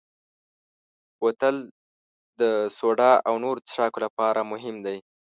بوتل د سوډا او نورو څښاکو لپاره مهم دی.